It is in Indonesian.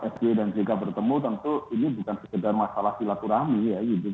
sby dan jk bertemu tentu ini bukan sekedar masalah silaturahmi ya